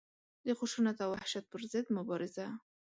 د خشونت او وحشت پر ضد مبارزه.